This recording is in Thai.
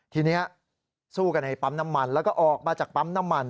ทีนี้สู้กันในปั๊มน้ำมันแล้วก็ออกมาจากปั๊มน้ำมัน